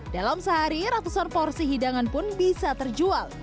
dalam sehari ratusan porsi hidangan pun bisa terjual